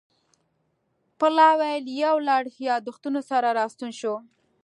پلاوی له یو لړ یادښتونو سره راستون شو